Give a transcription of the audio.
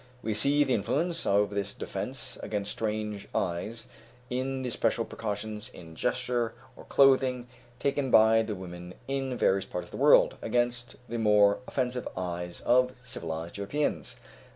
We see the influence of this defence against strange eyes in the special precautions in gesture or clothing taken by the women in various parts of the world, against the more offensive eyes of civilized Europeans.